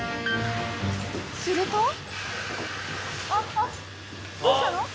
［すると］